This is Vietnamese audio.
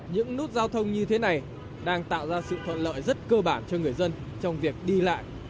những nút giao thông như thế này đang tạo ra sự thuận lợi rất cơ bản cho người dân trong việc đi lại